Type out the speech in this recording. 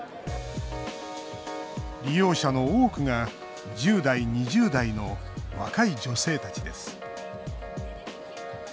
利用者の多くが１０代、２０代の若い女性たちです。